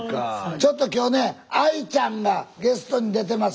ちょっと今日ねＡＩちゃんがゲストに出てます。